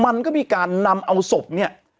มันก็มีการนำเอาศพเนี่ย